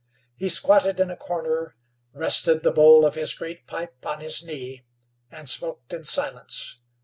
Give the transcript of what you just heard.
He squatted in a corner, rested the bowl of his great pipe on his knee, and smoked in silence.